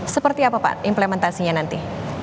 seperti apa pak implementasinya nanti